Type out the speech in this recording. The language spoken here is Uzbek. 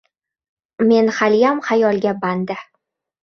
Men haliyam xayolga bandi.